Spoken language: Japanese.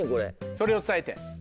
それを伝えて。